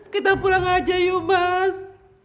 kita pulang aja yuk mas